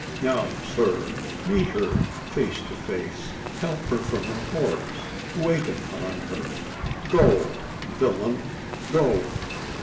Now, sir, meet her face to face help her from her horse wait upon her! Go! villain, go!"